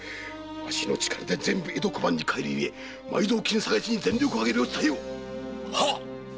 わしの力で全部江戸小判に替えるゆえ埋蔵金探しに全力を挙げるよう伝えよ！